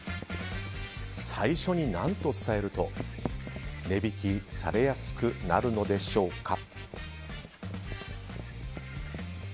最初に何と伝えると値引きされやすくなるのでしょうか。